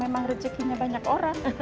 iya memang rezekinya banyak orang